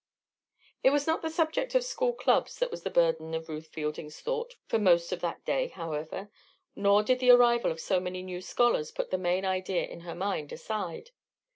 It was not the subject of school clubs that was the burden of Ruth Fielding's thought for most of that day, however. Nor did the arrival of so many new scholars put the main idea in her mind aside.